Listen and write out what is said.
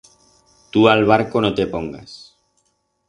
Tu a'l barco no te pongas.